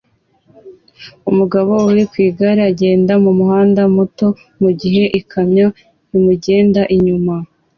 Umugabo uri ku igare agenda mu muhanda muto mu gihe ikamyo imugenda inyuma